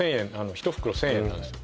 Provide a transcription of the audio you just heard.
１袋１０００円なんですよ